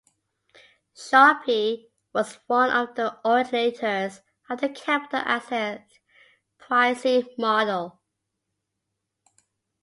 Sharpe was one of the originators of the capital asset pricing model.